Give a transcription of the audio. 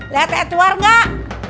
lihat edward enggak